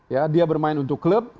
ya dia bermain untuk klub